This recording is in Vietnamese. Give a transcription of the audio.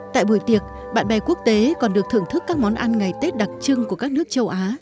tại buổi tiệc bạn bè quốc tế còn được thưởng thức các món ăn ngày tết đặc trưng của các nước châu á